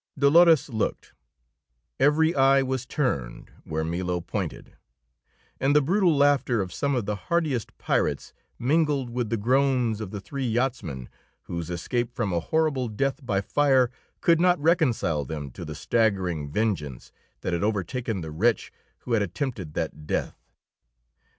Dolores looked; every eye was turned where Milo pointed; and the brutal laughter of some of the hardiest pirates mingled with the groans of the three yachtsmen, whose escape from a horrible death by fire could not reconcile them to the staggering vengeance that had overtaken the wretch who had attempted that death.